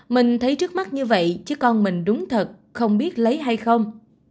mình thấy trước mắt như vậy chứ con mình đúng thật không biết lấy hay không